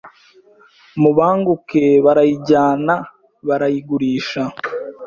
mubanguke Barayijyana barayigurisha